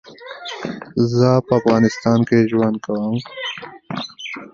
دلارام د سوداګرۍ لپاره یو ډېر مهم مرکز بلل کېږي.